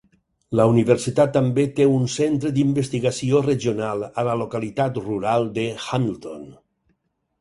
La universitat també té un centre d'investigació regional a la localitat rural de Hamilton.